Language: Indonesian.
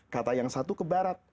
kata yang satu ke barat